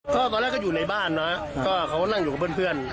ก็ตอนแรกก็อยู่ในบ้านเนาะก็เขานั่งอยู่กับเพื่อน